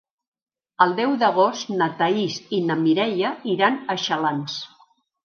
El deu d'agost na Thaís i na Mireia iran a Xalans.